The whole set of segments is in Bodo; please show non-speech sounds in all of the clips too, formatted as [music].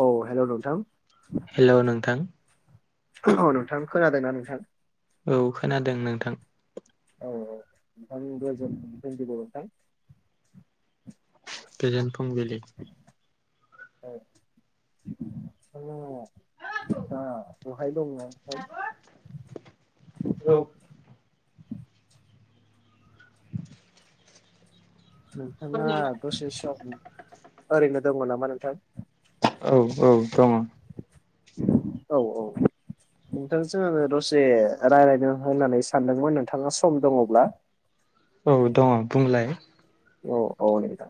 औ हेल' नोंथां। हेल' नोंथां। औ नोंथां खोनादोंना नोंथां। औ खोनादों नोंथां। औ -औ। आं गोजोनन्दि बर' नोंथां। गोजोन फुंबिलि। [inaudible] बेहाय दङ औ। नोंथाङा दसे सम ओरैनो दङ नामा नोंथां। औ - औ दङ। औ -औ। नोंथांजों आङो दसे रायलायनो होननानै सानदोंमोन नोंथाङा सम दङब्ला। औ दङ बुंलाय। औ -औ दे नोंथां।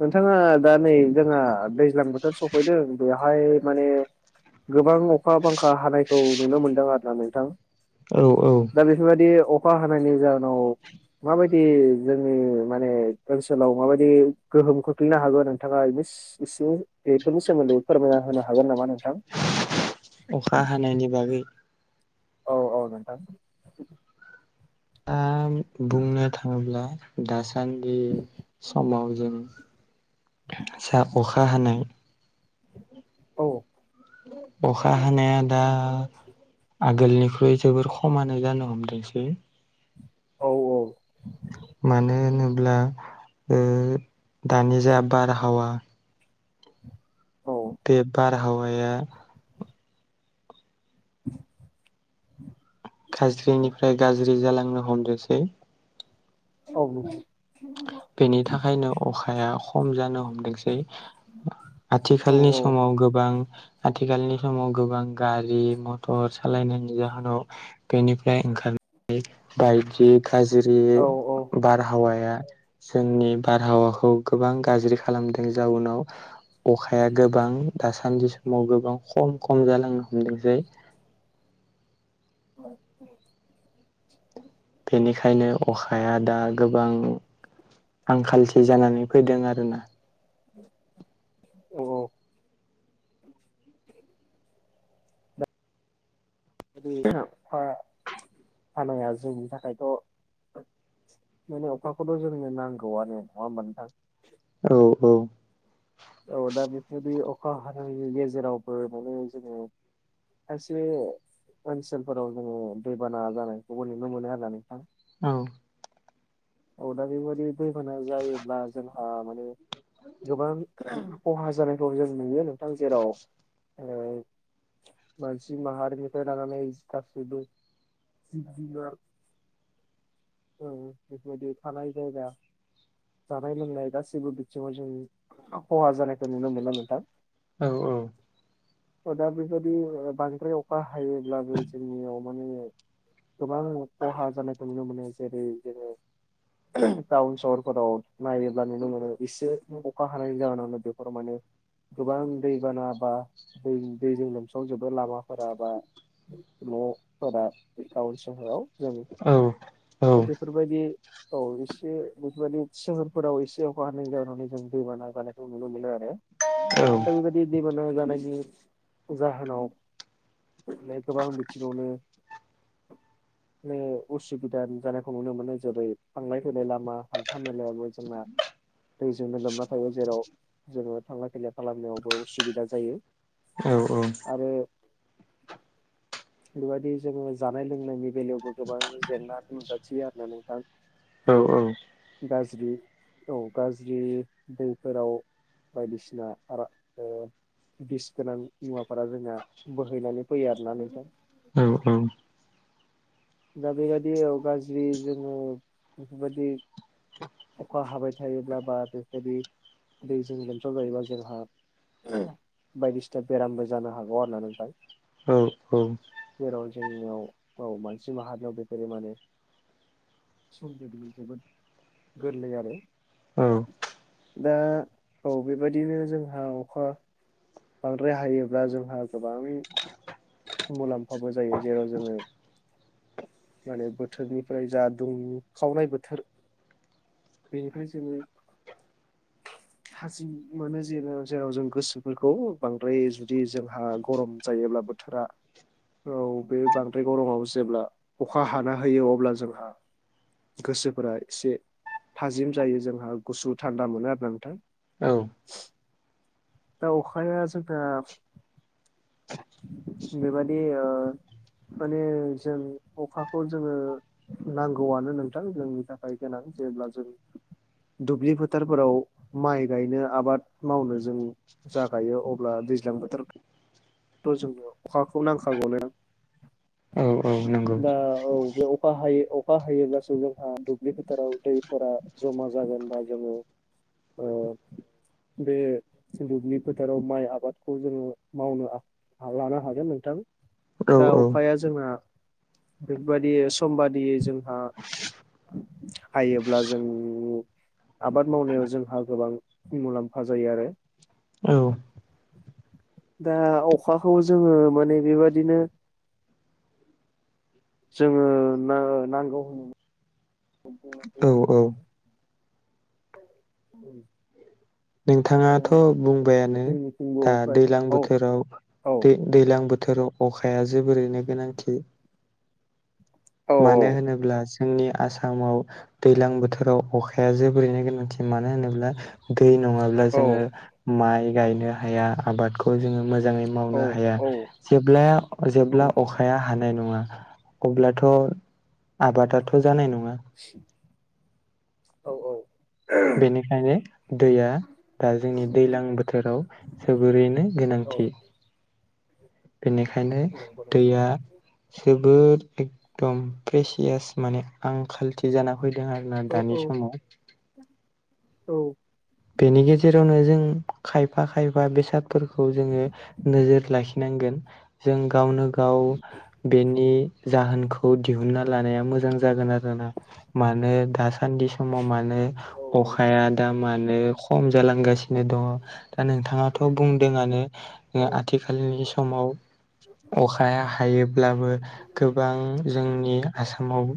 नोंथाङा दा नै जोंहा दैज्लां बोथोर सफैदों बेयाव बेहाय माने गोबां अखा -बांखा हानायखौ नुनो मोनदों आरो ना नोंथां। औ औ दा बेफोरबायदि अखा हायनि जाहोनाव माबायदि जोंनि माने ओनसोलाव माबायदि गोहोम खोख्लैनो हागोन नोंथाङा मि बेफोरनि सोमोन्दै फोरमायना होनो हागोन नामा नोंथां। अखा हानायनि बागै औ -औ नोंथां। दा बुंनो थाङोब्ला दासान्दि समाव जों साहा अखा हानाय औ। अखा हानाया दा आगोलनिख्रुइ जोबोर खमानो जानो हमदोंसै। औ -औ। मानो होनोब्ला ओ दानि जा बारहावा औ बे बारहावाया खाज्रिनिफ्राय गाज्रि जालांनो हमदोंसै औ बेनि थाखायनो अखाया खम जानो हमदोंसै आथिखालनि औ समाव गोबां आथिखालनि समाव गोबां गारि - मथर सालायनायनि जाहोनाव बेनिफ्राय ओंखारनाय बायदि गाज्रि औ औ बारहावाया जोंनि बारहावाखौ गोबां गाज्रि खालामदों जाउनाव अखाया गोबां दासान्दि समाव गोबां खम - खम जालांनो हमदोंसै। ओम बेनिखायनो अखाया दा गोबां आंखालसे जानानै फैदों आरोना औ अखा हानाया जोंनि थाखायथ' माने अखाखौथ' जोंनो नांगौआनो नङा होमबा नोंथां औ औ औ दा बेदि अखा हानायनि गेजेरावबो माने जोङो खायसे ओनसोलफोराव जोङो दैबाना जानायखौबो नुनो मोनो आरोना नोंथां औ औ दा बि दैबाना जायोब्ला जोंहा माने गोबां खहा जानायखौ जों नुयो नोंथां जेराव ए मानसि माहारिनिफ्राय लानानै सिखा सिदुं जिब जुनार ए बेफोरबादि थानाय जायगा जानाय लोंनाय गासैबो बिथिङाव जों खहा जानायखौ नुनो मोननो नोंथां औ औ दा बेबायादि बांद्राय अखा हायोब्लाबो जोंनियाव माने गोबां खहा जानायखौ नुनो मोनो जेरै जोङो टाउन सहरफोराव नायोब्ला नुनो मोनो एसे अखा हानाय जाहोन बेफोराव माने गोबां दै बाना बा दै दैजों लोमसावजोबो लामाफोराबा न'फोरा गावनि सहराव जों औ दा औ बेफोरबायदि औ एसे बबेबानि सोहोरफोराव एसे अखा हानाय जाहोनाव जों दैबाना जानायखौ नुनो मोनो आरो औ दा बेबायदि दैबाना जानायनि जाहोनाव माने गोबां बिथिङावनो माने उसुबिदा नुजानायखौ नुनो मोननाय जाबाय थांलाय फैलाय लामा हान्था मेलायावबो जोंना दैजोंनो लोमना थायो जेराव जोङो थांलाय फैलाय खालामनायावबो उसुबिदा जायो औ औ आरो बेफोरबायदि जोङो जानाय लोंनायनि बेलायावबो गोबां जेंना नुजाथियो आरो ना नोंथां औ बे गाज्रि औ गाज्रि दैफोराव बायदिसिना ओ बिस गोनां बिवाफोरा जोंना बोहैनानै फैयो आरोना नोंथां औ औ दा बेबायदि गाज्रि जोङो बेफोरबायदि अखा हाबाय थायोब्ला बा बेबादि दै जों लोमसाव जायोबा जोंहा बायदिसिना बेरामबो जानो हागौ आरो ना नोंथां औ जेराव जोंनाव औ मानसि माहारियाव बेफोरो मानो सम बादि जोबोद गोरलै आरो दा औ बेबायदिनो जोंहा अखा बांद्राय हायोब्ला जोंहा गोबाङै मुलाम्फाबो जायो जेराव जोङो माने बोथोरनिफ्राय जा दुंखावनाय बोथोर बेनिफ्राय जोङो थाजिम मोनो ज जेराव जों गोसोफोरखौ बांद्राय जुदि जोंहा गरम जायोब्ला बोथोरा औ बे बांद्राय गरमआव जेब्ला अखा हाना होयो अब्ला जोंहा गोसोफोरा एसे थाजिम जायो जोंहा गुसु थान्दा मोनो आरो नोंथां औ दा अखाया जोंना बेबादि ओ माने जों अखाखौ जोङो नांगौआनो नोंथां जोंनि थाखाय गोनां जेब्ला जों दुब्लि फोथारफोराव माइ गायनो आबाद मावनो जों जाखायो अब्ला दैज्लां बोथोर थ' जोंनो अखाखौ नांखागौलाय न औ औ नंगौ दा औ बे अखा हायो अखा हायोब्लासो जोंहा दुब्लि फोथाराव दै फोर जमा जागोनबा जोङो ओ बे दुबनि फोथाराव माइ आबादखौ जोङो मावनो लानो हागोन नोंथां औ दा अफाया जोंना बेबायाददि सम बादियै जोंहा हायोब्ला जों आबाद मावनायाव जोंहा गोबां मुलाम्फा जायो आरो औ दा अखाखौ जोङो माने बेबादिनो जोङो ना नांगौ होननानै बनााथे [unintelligible] उ नोंथाङाथ' बुंबायानो जोंनिथिंबो दा अखाय दै्लां औ बोथोराव औ दै दै्लां बोथोराव अखाया जोबोरैनो गोनांथि औ मानो होनोब्ला जोंनि आसामाव दै्लां बोथोराव अखाया जोबोरैनो गोनांथि मानो होनोब्ला दै नङाब्ला औ जोङो माइ गायनो हाया आबादखौ जोङो मोजाङै औ मावनो हाया औ जेल्बाया जेब्ला अखाया हानाय नङा अब्लाथ' आबादाथ' जानाय नङा औ औ बेनिखायनो दैया दा जोंनि दैज्लां बोथोराव सोबोरैनो औ औ गोनांथि बेनिखायनो नंगौ नंगौ दैया जोबोर एकदम प्रेसियास माने आंखालथि जाना फैदों आरो ना दानि समाव औ बेनि गेजेरावनो जों खायफा खायफा बेसाद फोरखौ जोङो नोजोर लाखिनांगोन जों गावनो गाव बेनि जाहोनखौ दिहुनना लानाया मोजां जागोन आरोना मानो दासान्दि समाव मानो अखाया दााने खम जालांगासिनो दङ दा नोंथाङाथ' औ नंगौ औ बुंदोंआनो आथिखालनि समाव अखा हायोब्लाबो गोबां जोंनि आसामाव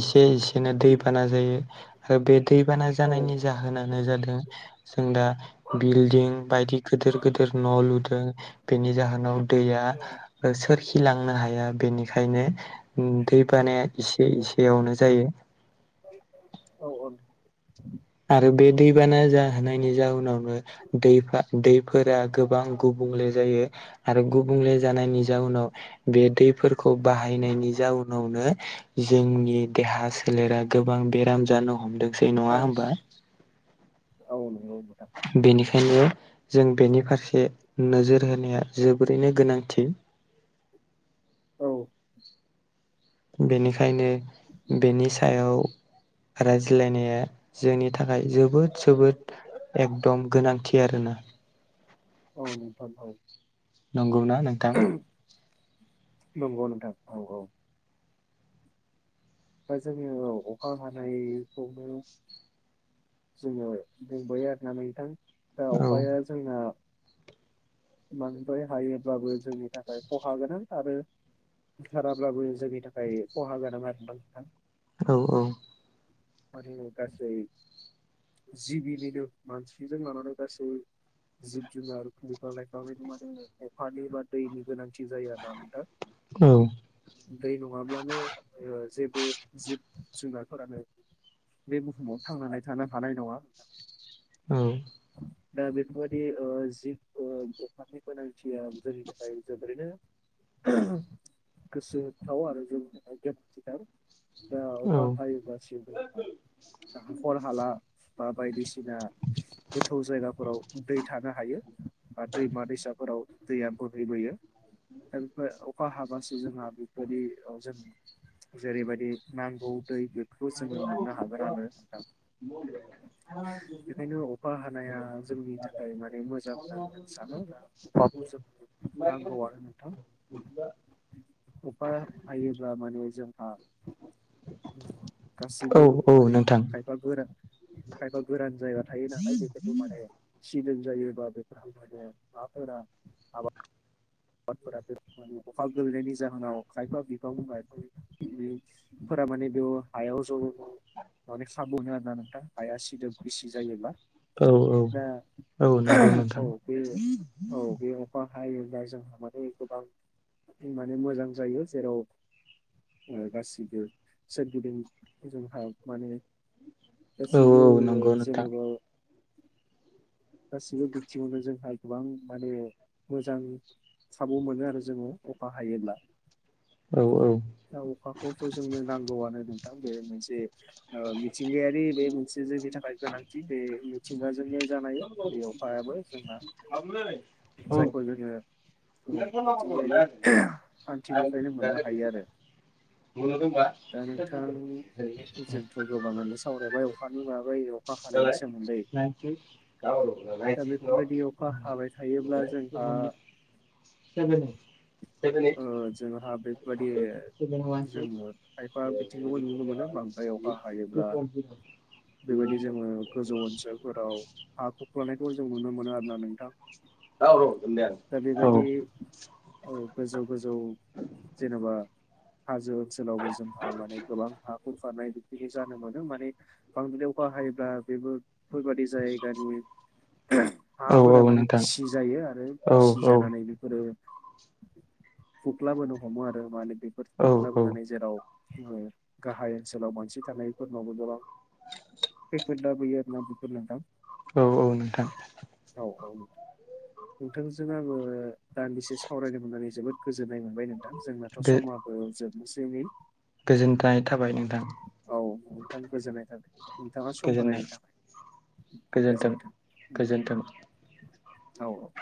एसे एसेनो दैबाना जायो आरो बे दैबाना औ जानायनि जा होनाय जादों जों दा बिल्दििं बायदि गिदिर गिदिर न' लुदों बेनि जाहोनाव दैया सोरखिलांनो हाया बेनिखायनो दैबानाया एसे इसेयावनो जायो। औ औ आरो बे दैबाना जाहोनायनि जाउनावनो दैफा दै फोरा गोबां गुबुंले जायो। आरो गुबुंले जानायनि जाउनाव बे दैफोरखौ बाहायनायनि जाउनावनो जोंनि देहा सोलेरा गोबां बेराम जानो हमदोंसै औ नङा होमबा औ नंगौ नोंथां बेनिखायनो जों बेनि फारसे नोजोर होनाया जोबोरैनो गोनांथि औ बेनिखायनो बेनि सायाव रायज्लायनाया जोंनि थाखाय जोबोद जोबोद एकदम गोनांथि आरोना। औ नोंथां। नंगौना नोंथां? नंगौ नोंथां औ औ। दा जोङो अखा हानायखौनो जोङो दंबोयो आरोना नोंथां दा औ अखाया जोंना इमानबो हायोब्लाबो जोंनि थाखाय खहा गोनां आरो। थाराब्लाबो जोंनि थाखाय खहा गोनां आरो दा नोंथां। औ औ मि अ गासै जिबिनिनो मानसिजों लानानै गासैबो जिब जुनार बिफां लाइफां बायदि मान अखानि बा दैनि गोनांथि जायो आरो ना नोंथां। औ दै नङाब्लानो जेबो जिब जुनारफोरानो बे बुहुमाव थांनानै थानो हानाय नङा नोंथां। औ दा बेफोरबायाददि ओ जि अखा नि गोनांथिया जोंनि थाखाय जोबोरैनो गोसो होथाव आरो जोंनि थाखाय गोनांथि थार। दा औ अखा हागासिनो दं हाखर हाला बा-बायदिसिना बादिना गोथौ जायगाफोराव दै थानो हायो बा दैमा दैसाफोराव दैया बोहैबोयो दा बेफोर अखा हाबासो जोंहा बेबायदि जों जेरैबायदि नांगौ दै बेफोरखौ जोङो मोननो हागोन आरो नोंथां। [unintelligible] बेखायनो अखा हानाया जोंनि थाखाय माने मोजां होननानै आं सानो दा अखाखौ जों नांगौ आरो नोंथां अखा हायोब्ला माने जों औ गासैबो औ माने नोंथां। खायफा गोरान खायफा गोरान जायगा थायो नालाय बेबायदि माने सिदोब जायोबा बेफोर हाफोरा आबादफोरा अखा गोलैनायनि जाहोनाव खायफा बिफां लाइफांनि फोरा माने बे हायाव ज माने सागरनि आरो ना नोंथां हाया सिदोब गिसि जायोब्ला औ औ दा औ नंगौ नोंथां औ बे औ बे अखा हायोब्ला जोंहा माने गोबां माने मोजां जायो जेराव गासिबो सोरगिदिं जोंहा माने औ गासैबो औ नंगौ नोंथां जेन'बा गासिबो बिथिङावनो जोंहा गोबां माने मोजां खाबु मोनो आरो जोङो अखा हायोब्ला। औ औ दा अखाखौथ' जोंनो नांगौआनो नोंथां बे मोनसे ओ मिथिंगायारि बे मोनसे जोंनि थाखाय गोनांथि बे मिथिंगाजोंनो जानाय बे अखायाबो जोंना [unintelligible] जायखौ जोङो मिथिंगायारि खान्थिनिफ्रायनो मोननो हायो आरो। मोननो दंबा दा नोंथां जोंथ' गोबाङानो सावरायबाय अखानि माबायो अखा हानायनि सोमोन्दै दा बेफोरबायदि अखा हाबाय थायोब्ला जोंहा जागोन [unintelligible] ओ जोंहा बेफोरबायदि जोङो खायफा बिथिंखौबो नुनो मोनो बां [unintelligible] बेबायदि जोङो गोजौ ओनसोलफोराव हा खुरख्लानायखौ जों नुनो मोनो आरोना नोंथां दा औ बेबायदि औ गोजौ-गोजौ जेनेबा हाजो ओनसोलावबो जोंहा माने गोबां हाखुरख्लानाय बि जानो मोनो माने बांद्रायाव बाहायोब्ला बेबो बेफोरबायदि जायगानि हाफोरा माने गिसि जायो आरो गिसि जानानै बेफोरो खुरख्लाबोनो हमो आरो माने बेफोर औ खुख्लाबोनानै जेराव ओ गाहाय ओनसोलाव मानसि थानायफोरनावबो गोबां खैफोद लाबोयो आरो ना बेफोर नोंथां औ औ नोंथां औ औ नों नोंथांजों आङो दान्दिसे होनानै जोबोद गोजोननाय मोनबाय नोंथां जोंनाथ' समाबो जोबनोसैैनै गोजोन्थाय थाबाय नोंथां औ नोंथां गोजोननाय थाबाय नोंथाङा सम गोजोननाय होनायनि थाखाय गोजोन्थों गोजोन्थों औ औ